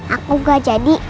aku gak jadi